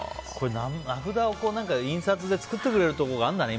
名札を印刷で作ってくれるところがあるんだね。